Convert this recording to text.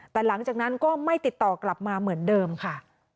แต่หลังจากนั้นก็ไม่ติดต่อกลับมาเหมือนเดิมค่ะ